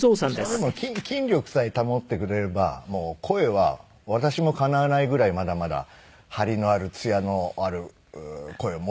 でも筋力さえ保ってくれれば声は私もかなわないぐらいまだまだ張りのあるつやのある声を持っていますから。